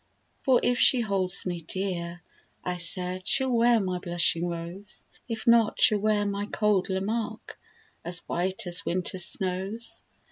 For if she holds me dear, I said, She'll wear my blushing rose; If not, she'll wear my cold Lamarque, As white as winter's snows.